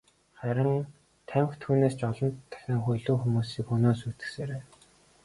Харин тамхи түүнээс ч олон дахин илүү хүмүүсийг хөнөөн сүйтгэсээр байна.